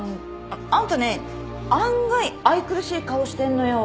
あんたね案外愛くるしい顔してんのよ。